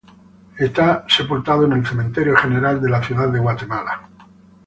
Está sepultado en el Cementerio General de la Ciudad de Guatemala.